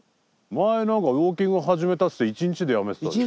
前何かウォーキング始めたっつって１日でやめてたじゃん。